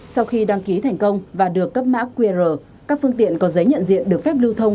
sau khi đăng ký thành công và được cấp mã qr các phương tiện có giấy nhận diện được phép lưu thông